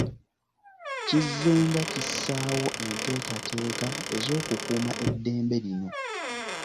Kizzenga kissaawo enteekateeka ez’okukuuma eddembe lino.